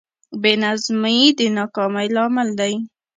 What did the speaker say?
بېنظمي د ناکامۍ لامل دی.